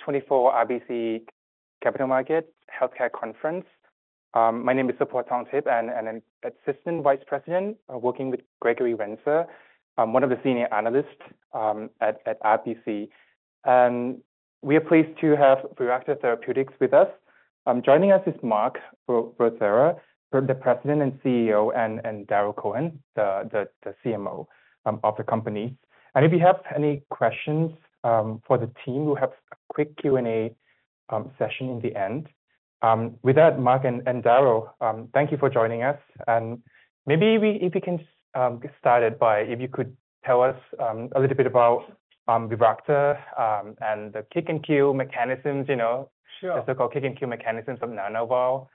2024 RBC Capital Markets Healthcare Conference. My name is Supavud Thongthip, and I'm Assistant Vice President working with Gregory Renza, one of the Senior Analysts at RBC. We are pleased to have Viracta Therapeutics with us. Joining us is Mark Rothera, the President and CEO, and Darrel Cohen, the CMO of the company. If you have any questions for the team, we'll have a quick Q&A session in the end. With that, Mark and Darrel, thank you for joining us. Maybe if we can just get started by if you could tell us a little bit about Viracta and the kick-and-kill mechanisms, you know, the so-called kick-and-kill mechanisms of Nana-val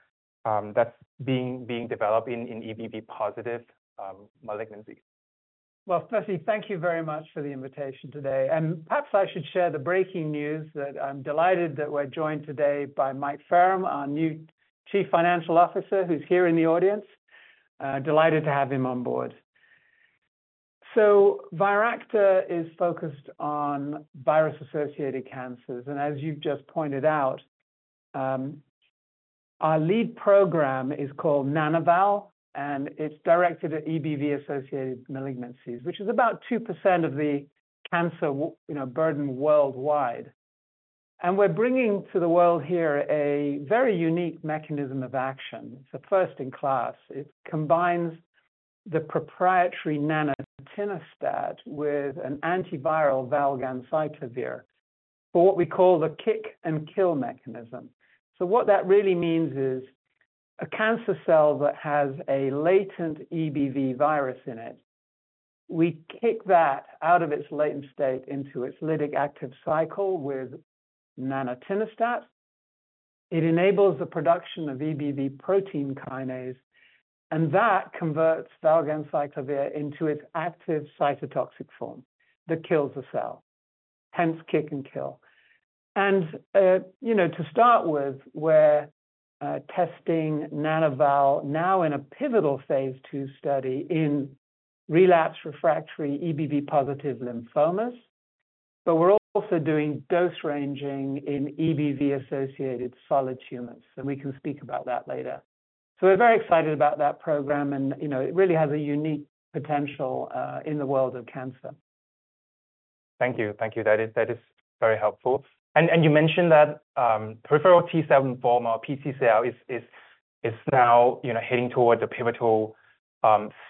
that's being developed in EBV-positive malignancies. Well, firstly, thank you very much for the invitation today. Perhaps I should share the breaking news that I'm delighted that we're joined today by Mike Faerm, our new Chief Financial Officer, who's here in the audience. Delighted to have him on board. Viracta is focused on virus-associated cancers. As you've just pointed out, our lead program is called Nana-val, and it's directed at EBV-associated malignancies, which is about 2% of the cancer burden worldwide. We're bringing to the world here a very unique mechanism of action. It's a first-in-class. It combines the proprietary nanatinostat with an antiviral valganciclovir for what we call the kick-and-kill mechanism. So what that really means is a cancer cell that has a latent EBV virus in it, we kick that out of its latent state into its lytic active cycle with nanatinostat. It enables the production of EBV protein kinase, and that converts valganciclovir into its active cytotoxic form that kills the cell. Hence, kick and kill. And, you know, to start with, we're testing Nana-val now in a pivotal phase II study in relapsed refractory EBV-positive lymphomas. But we're also doing dose ranging in EBV-associated solid tumors. And we can speak about that later. So we're very excited about that program. And, you know, it really has a unique potential in the world of cancer. Thank you. Thank you. That is very helpful. And you mentioned that peripheral T-cell lymphoma or PTCL is now heading towards a pivotal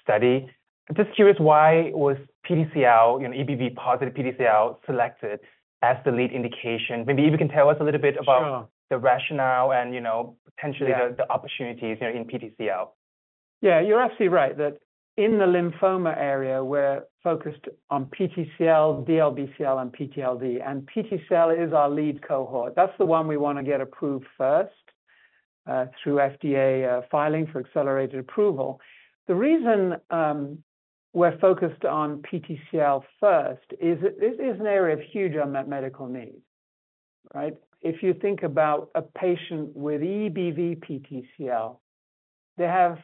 study. I'm just curious, why was PTCL, you know, EBV-positive PTCL, selected as the lead indication? Maybe if you can tell us a little bit about the rationale and, you know, potentially the opportunities in PTCL. Yeah, you're absolutely right that in the lymphoma area, we're focused on PTCL, DLBCL, and PTLD, and PTCL is our lead cohort. That's the one we want to get approved first through FDA filing for accelerated approval. The reason we're focused on PTCL first is this is an area of huge unmet medical need. Right? If you think about a patient with EBV PTCL, they have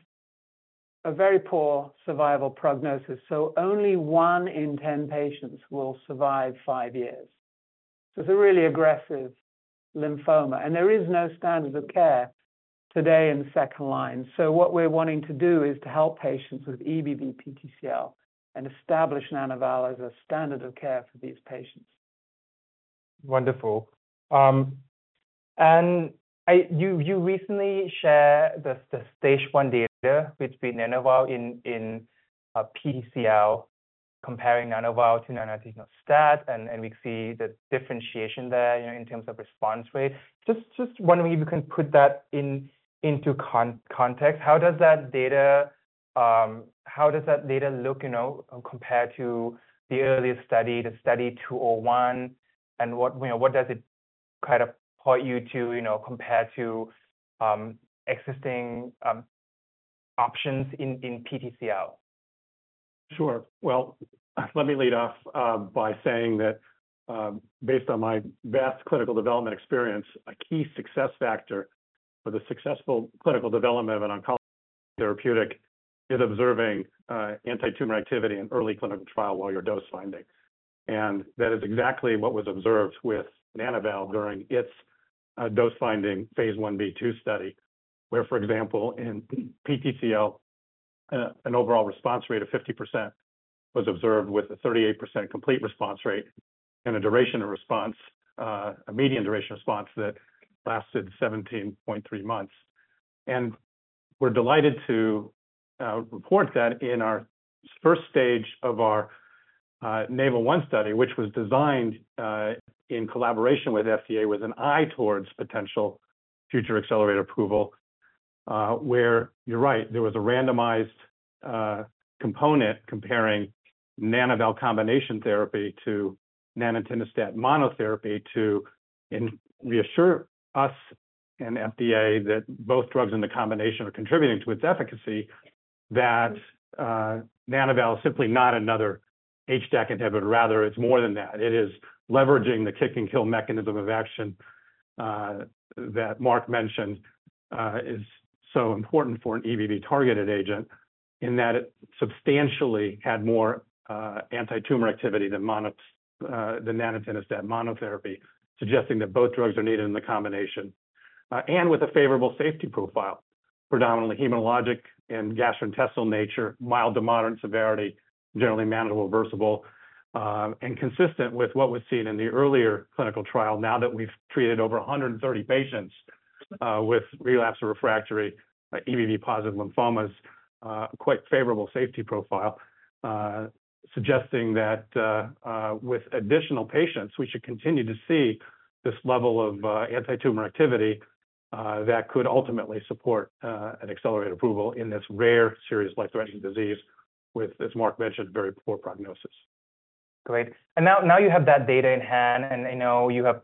a very poor survival prognosis. So only one in 10 patients will survive five years. So it's a really aggressive lymphoma. And there is no standard of care today in second line. So what we're wanting to do is to help patients with EBV PTCL and establish Nana-val as a standard of care for these patients. Wonderful. And you recently shared the Stage 1 data between Nana-val and PTCL, comparing Nana-val to nanatinostat, and we see the differentiation there, you know, in terms of response rate. Just wondering if you can put that into context. How does that data look, you know, compared to the earlier study, the Study 201? And what does it kind of point you to, you know, compared to existing options in PTCL? Sure. Well, let me lead off by saying that based on my vast clinical development experience, a key success factor for the successful clinical development of an oncology therapeutic is observing anti-tumor activity in early clinical trial while you're dose finding. And that is exactly what was observed with Nana-val during its dose finding phase I-B, II study, where, for example, in PTCL, an overall response rate of 50% was observed with a 38% complete response rate and a duration of response, a median duration of response that lasted 17.3 months. We're delighted to report that in our first stage of our NAVIGATE 1 study, which was designed in collaboration with the FDA with an eye toward potential future accelerated approval, where you're right, there was a randomized component comparing Nana-val combination therapy to nanatinostat monotherapy to reassure us and the FDA that both drugs in the combination are contributing to its efficacy, that Nana-val is simply not another HDAC inhibitor. Rather, it's more than that. It is leveraging the kick-and-kill mechanism of action that Mark mentioned is so important for an EBV-targeted agent in that it substantially had more anti-tumor activity than nanatinostat monotherapy, suggesting that both drugs are needed in the combination and with a favorable safety profile, predominantly hematologic and gastrointestinal nature, mild-to-moderate severity, generally manageable, reversible, and consistent with what was seen in the earlier clinical trial. Now that we've treated over 130 patients with relapsed or refractory EBV-positive lymphomas, quite favorable safety profile, suggesting that with additional patients, we should continue to see this level of anti-tumor activity that could ultimately support an accelerated approval in this rare, serious, life-threatening disease with, as Mark mentioned, very poor prognosis. Great. Now you have that data in hand, and I know you have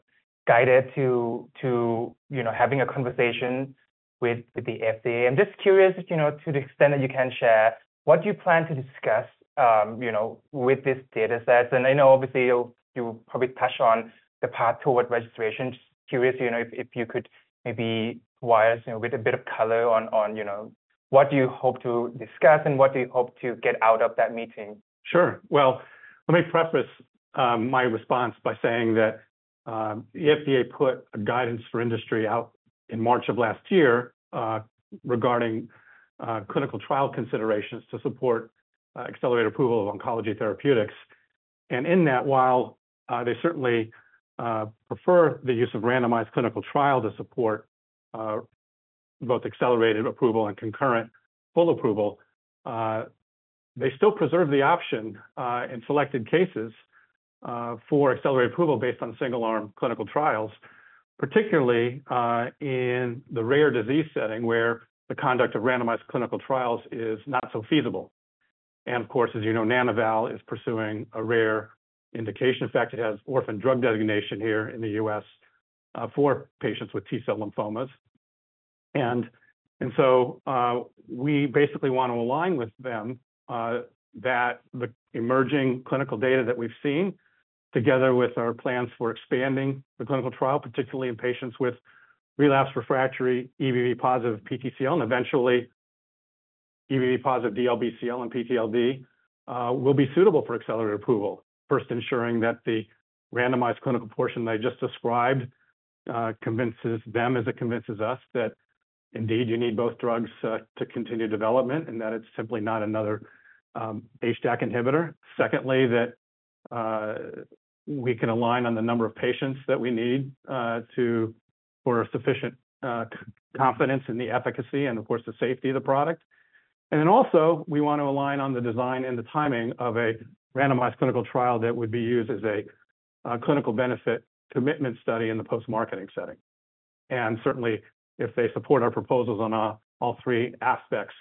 guided to, you know, having a conversation with the FDA. I'm just curious, you know, to the extent that you can share, what do you plan to discuss, you know, with these datasets? I know obviously you'll probably touch on the path toward registration. Just curious, you know, if you could maybe wire us with a bit of color on, you know, what do you hope to discuss and what do you hope to get out of that meeting? Sure. Well, let me preface my response by saying that the FDA put a guidance for industry out in March of last year regarding clinical trial considerations to support accelerated approval of oncology therapeutics. In that, while they certainly prefer the use of randomized clinical trial to support both accelerated approval and concurrent full approval, they still preserve the option in selected cases for accelerated approval based on single-arm clinical trials, particularly in the rare disease setting where the conduct of randomized clinical trials is not so feasible. Of course, as you know, Nana-val is pursuing a rare indication. In fact, it has orphan drug designation here in the U.S. for patients with T-cell lymphomas. We basically want to align with them that the emerging clinical data that we've seen, together with our plans for expanding the clinical trial, particularly in patients with relapsed refractory EBV-positive PTCL and eventually EBV-positive DLBCL and PTLD, will be suitable for accelerated approval, first ensuring that the randomized clinical portion they just described convinces them, as it convinces us, that indeed you need both drugs to continue development and that it's simply not another HDAC inhibitor. Secondly, that we can align on the number of patients that we need for sufficient confidence in the efficacy and, of course, the safety of the product. And then also, we want to align on the design and the timing of a randomized clinical trial that would be used as a clinical benefit commitment study in the post-marketing setting. Certainly, if they support our proposals on all three aspects,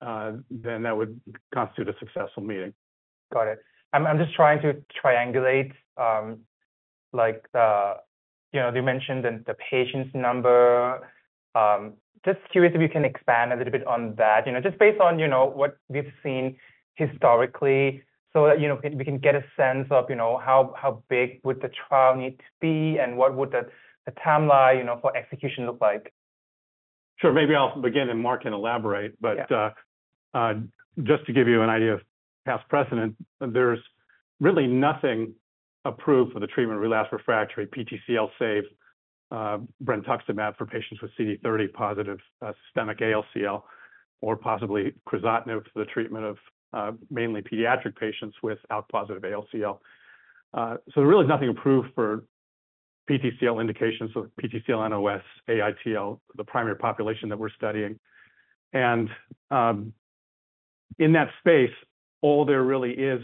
then that would constitute a successful meeting. Got it. I'm just trying to triangulate, like, you know, you mentioned the patients number. Just curious if you can expand a little bit on that, you know, just based on, you know, what we've seen historically so that, you know, we can get a sense of, you know, how big would the trial need to be and what would the timeline, you know, for execution look like? Sure. Maybe I'll begin and Mark can elaborate. But just to give you an idea of past precedent, there's really nothing approved for the treatment of relapsed refractory PTCL save brentuximab for patients with CD30-positive systemic ALCL or possibly crizotinib for the treatment of mainly pediatric patients with ALK-positive ALCL. So there really is nothing approved for PTCL indications, so PTCL, NOS, AITL, the primary population that we're studying. And in that space, all there really is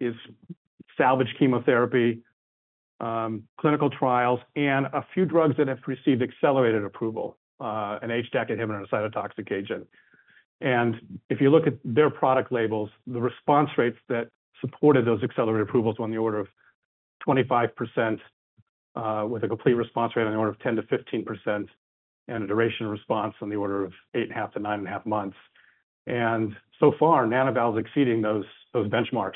is salvage chemotherapy, clinical trials, and a few drugs that have received accelerated approval, an HDAC inhibitor and a cytotoxic agent. If you look at their product labels, the response rates that supported those accelerated approvals were on the order of 25%, with a complete response rate on the order of 10%-15%, and a duration of response on the order of 8.5-9.5 months. So far, Nana-val is exceeding those benchmarks.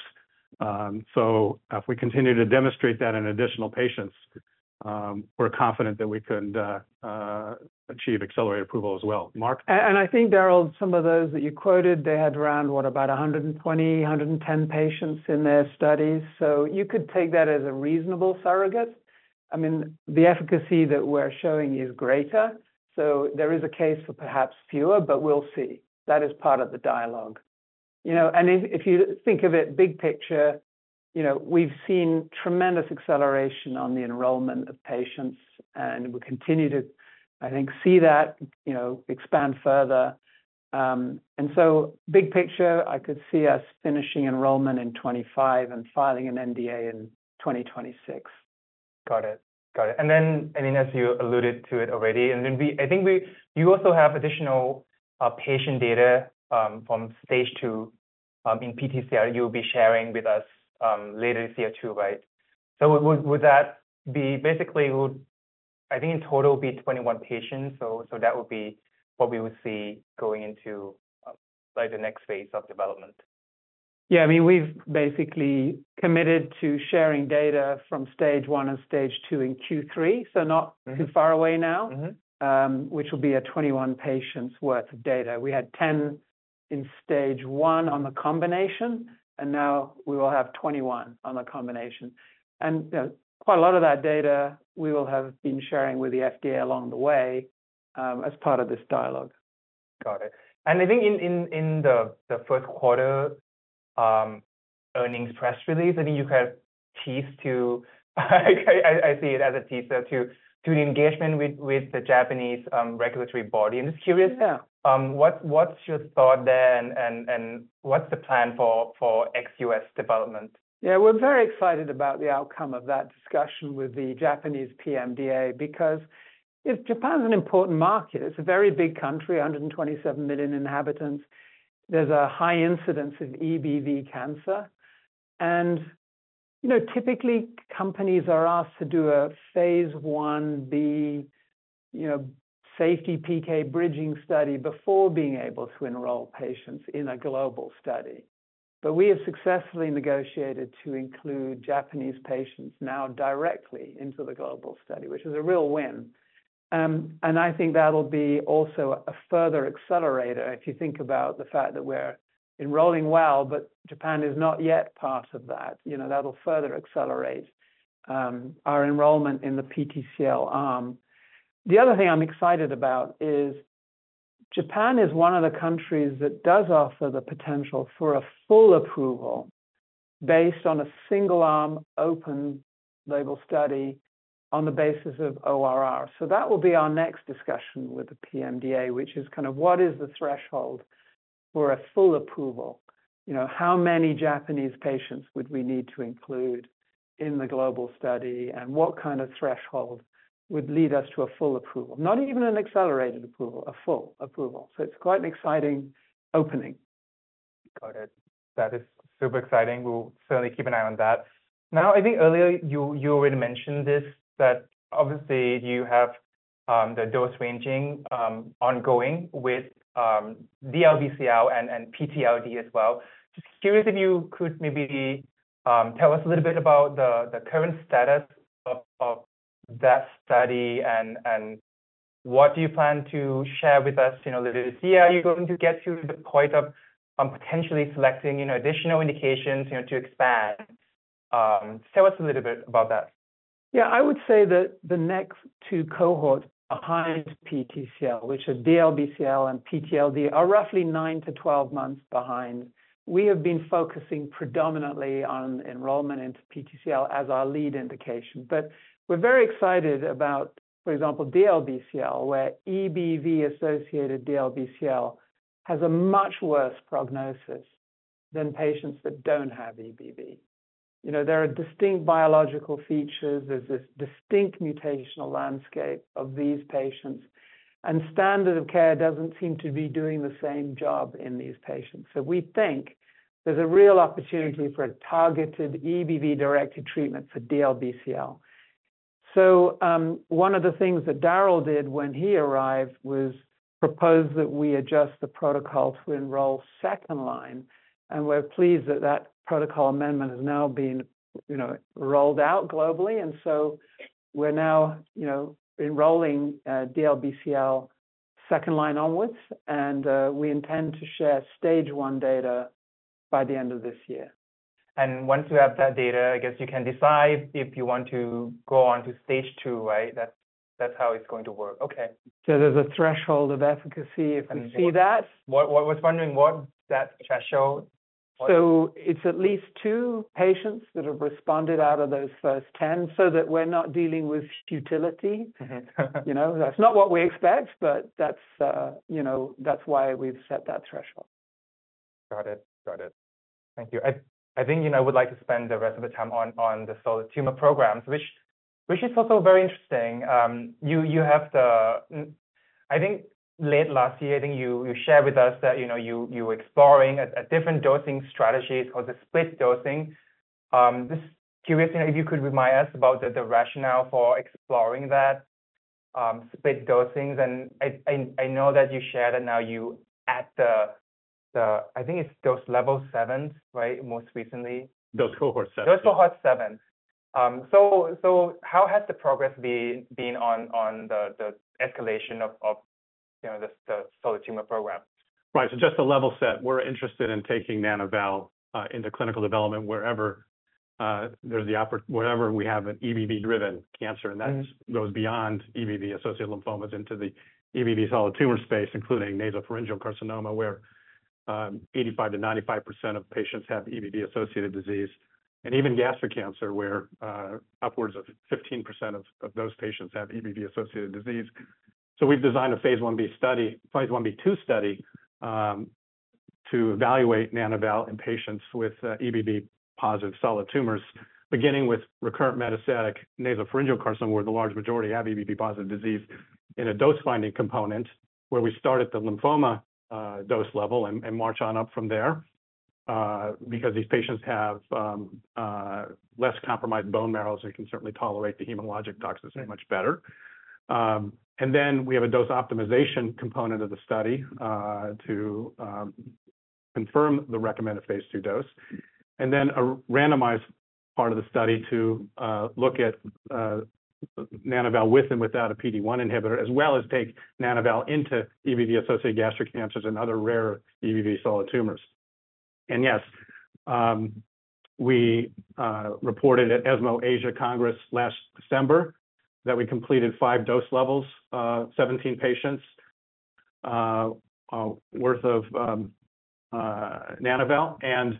If we continue to demonstrate that in additional patients, we're confident that we could achieve accelerated approval as well. Mark? I think, Darrel, some of those that you quoted, they had around, what, about 120, 110 patients in their studies. So you could take that as a reasonable surrogate. I mean, the efficacy that we're showing is greater. So there is a case for perhaps fewer, but we'll see. That is part of the dialogue. You know, and if you think of it big picture, you know, we've seen tremendous acceleration on the enrollment of patients, and we continue to, I think, see that, you know, expand further. And so big picture, I could see us finishing enrollment in 2025 and filing an NDA in 2026. Got it. Got it. And then, I mean, as you alluded to it already, and then I think you also have additional patient data from stage two in PTCL you'll be sharing with us later this year too, right? So would that be basically, I think in total it would be 21 patients. So that would be what we would see going into, like, the next phase of development. Yeah, I mean, we've basically committed to sharing data from stage 1 and stage 2 in Q3, so not too far away now, which will be a 21 patients' worth of data. We had 10 in stage 1 on the combination, and now we will have 21 on the combination. And quite a lot of that data we will have been sharing with the FDA along the way as part of this dialogue. Got it. And I think in the first quarter earnings press release, I think you kind of teased to, I see it as a teaser, to the engagement with the Japanese regulatory body. And just curious, what's your thought there and what's the plan for ex-U.S. development? Yeah, we're very excited about the outcome of that discussion with the Japanese PMDA because Japan is an important market. It's a very big country, 127 million inhabitants. There's a high incidence of EBV cancer. And, you know, typically companies are asked to do a phase I-B, you know, safety PK bridging study before being able to enroll patients in a global study. But we have successfully negotiated to include Japanese patients now directly into the global study, which is a real win. And I think that'll be also a further accelerator if you think about the fact that we're enrolling well, but Japan is not yet part of that. You know, that'll further accelerate our enrollment in the PTCL arm. The other thing I'm excited about is Japan is one of the countries that does offer the potential for a full approval based on a single-arm open label study on the basis of ORR. So that will be our next discussion with the PMDA, which is kind of what is the threshold for a full approval? You know, how many Japanese patients would we need to include in the global study and what kind of threshold would lead us to a full approval? Not even an accelerated approval, a full approval. So it's quite an exciting opening. Got it. That is super exciting. We'll certainly keep an eye on that. Now, I think earlier you already mentioned this, that obviously you have the dose ranging ongoing with DLBCL and PTLD as well. Just curious if you could maybe tell us a little bit about the current status of that study and what do you plan to share with us? You know, this year are you going to get to the point of potentially selecting additional indications to expand? Tell us a little bit about that. Yeah, I would say that the next two cohorts behind PTCL, which are DLBCL and PTLD, are roughly 9-12 months behind. We have been focusing predominantly on enrollment into PTCL as our lead indication. But we're very excited about, for example, DLBCL, where EBV-associated DLBCL has a much worse prognosis than patients that don't have EBV. You know, there are distinct biological features. There's this distinct mutational landscape of these patients. And standard of care doesn't seem to be doing the same job in these patients. So we think there's a real opportunity for a targeted EBV-directed treatment for DLBCL. So one of the things that Darrel did when he arrived was propose that we adjust the protocol to enroll second line. And we're pleased that that protocol amendment has now been, you know, rolled out globally. And so we're now, you know, enrolling DLBCL second line onwards. We intend to share stage one data by the end of this year. Once you have that data, I guess you can decide if you want to go on to stage two, right? That's how it's going to work. Okay. There's a threshold of efficacy if we see that. I was wondering what that threshold? It's at least two patients that have responded out of those first 10 so that we're not dealing with futility. You know, that's not what we expect, but that's, you know, that's why we've set that threshold. Got it. Got it. Thank you. I think, you know, I would like to spend the rest of the time on the solid tumor programs, which is also very interesting. You have the, I think late last year, I think you shared with us that, you know, you were exploring different dosing strategies called the split dosing. Just curious, you know, if you could remind us about the rationale for exploring that split dosings. And I know that you shared that now you add the, I think it's dose level seven, right, most recently? Dose cohort 7. Dose cohort 7. So how has the progress been on the escalation of, you know, the solid tumor program? Right. So just to level set, we're interested in taking Nana-val into clinical development wherever there's the opportunity, wherever we have an EBV-driven cancer, and that goes beyond EBV-associated lymphomas into the EBV solid tumor space, including nasopharyngeal carcinoma where 85%-95% of patients have EBV-associated disease, and even gastric cancer where upwards of 15% of those patients have EBV-associated disease. So we've designed a phase I-B study, phase I-B, II study to evaluate Nana-val in patients with EBV-positive solid tumors, beginning with recurrent metastatic nasopharyngeal carcinoma where the large majority have EBV-positive disease, in a dose finding component where we start at the lymphoma dose level and march on up from there because these patients have less compromised bone marrows and can certainly tolerate the hematologic toxicity much better. And then we have a dose optimization component of the study to confirm the recommended phase II dose. And then a randomized part of the study to look at Nana-val with and without a PD-1 inhibitor, as well as take Nana-val into EBV-associated gastric cancers and other rare EBV solid tumors. And yes, we reported at ESMO Asia Congress last December that we completed five dose levels, 17 patients worth of Nana-val. And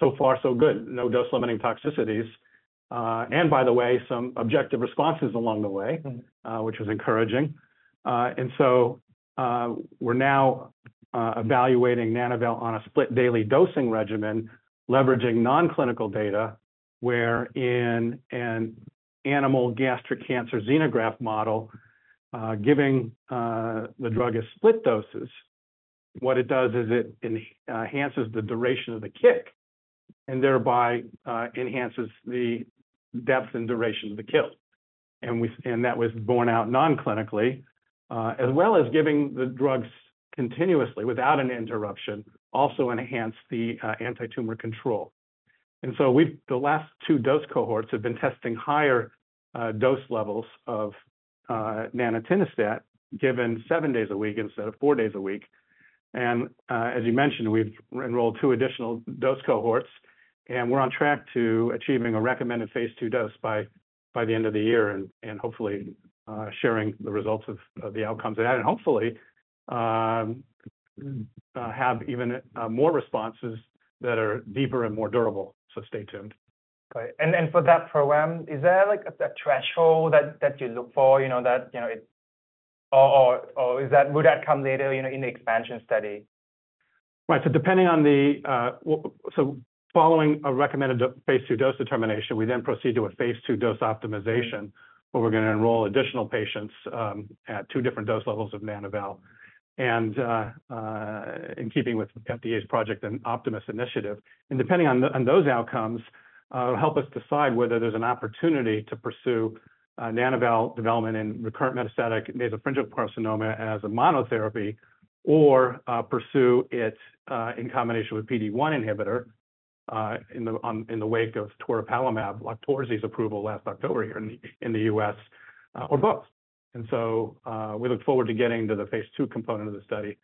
so far, so good. No dose limiting toxicities. And by the way, some objective responses along the way, which was encouraging. And so we're now evaluating Nana-val on a split daily dosing regimen, leveraging non-clinical data where in an animal gastric cancer xenograft model, giving the drug a split dose, what it does is it enhances the duration of the kick and thereby enhances the depth and duration of the kill. That was borne out non-clinically, as well as giving the drugs continuously without an interruption also enhanced the anti-tumor control. So we've, the last two dose cohorts have been testing higher dose levels of nanatinostat given seven days a week instead of four days a week. As you mentioned, we've enrolled two additional dose cohorts. We're on track to achieving a recommended phase II dose by the end of the year and hopefully sharing the results of the outcomes of that and hopefully have even more responses that are deeper and more durable. So stay tuned. For that program, is there, like, a threshold that you look for, you know, that, you know, it or is that, would that come later, you know, in the expansion study? Right. Following a recommended phase II dose determination, we then proceed to a phase II dose optimization where we're going to enroll additional patients at two different dose levels of Nana-val. In keeping with FDA's Project Optimus initiative, and depending on those outcomes, it'll help us decide whether there's an opportunity to pursue Nana-val development in recurrent metastatic nasopharyngeal carcinoma as a monotherapy or pursue it in combination with PD-1 inhibitor in the wake of toripalimab, Loqtorzi's approval last October here in the U.S., or both. So we look forward to getting to the phase II component of the study.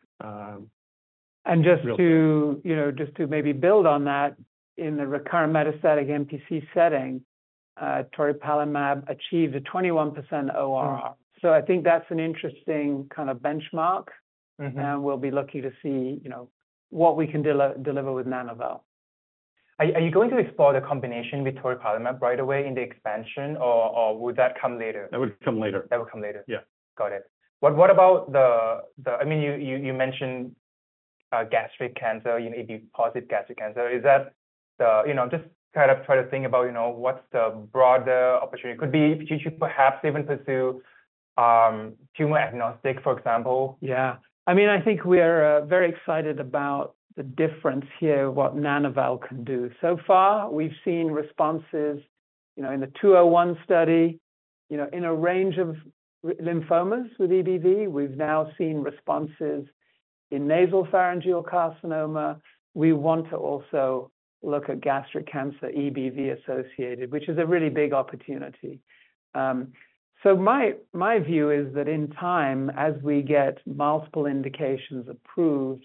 And just to, you know, just to maybe build on that, in the recurrent metastatic NPC setting, toripalimab achieved a 21% ORR. So I think that's an interesting kind of benchmark. And we'll be looking to see, you know, what we can deliver with Nana-val. Are you going to explore the combination with toripalimab right away in the expansion or would that come later? That would come later. That would come later. Yeah. Got it. What about the, I mean, you mentioned gastric cancer, you know, EBV-positive gastric cancer. Is that the, you know, I'm just kind of trying to think about, you know, what's the broader opportunity? Could be should you perhaps even pursue tumor agnostic, for example? Yeah. I mean, I think we are very excited about the difference here, what Nana-val can do. So far, we've seen responses, you know, in the 201 study, you know, in a range of lymphomas with EBV. We've now seen responses in nasopharyngeal carcinoma. We want to also look at gastric cancer EBV-associated, which is a really big opportunity. So my view is that in time, as we get multiple indications approved,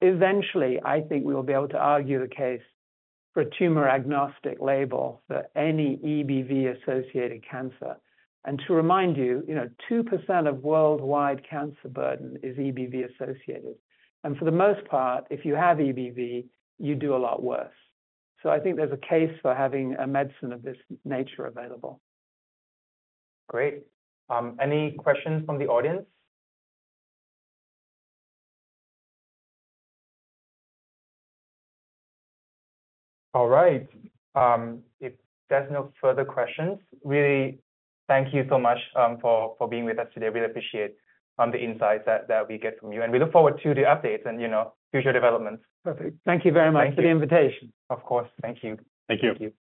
eventually I think we will be able to argue the case for a tumor agnostic label for any EBV-associated cancer. And to remind you, you know, 2% of worldwide cancer burden is EBV-associated. And for the most part, if you have EBV, you do a lot worse. So I think there's a case for having a medicine of this nature available. Great. Any questions from the audience? All right. If there's no further questions, really, thank you so much for being with us today. Really appreciate the insights that we get from you. And we look forward to the updates and, you know, future developments. Perfect. Thank you very much for the invitation. Of course. Thank you. Thank you. Thank you.